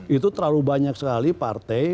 itu terlalu banyak sekali partai